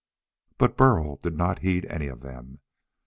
But Burl did not heed any of them.